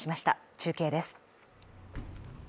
中継です。